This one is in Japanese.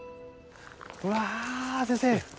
うわ先生。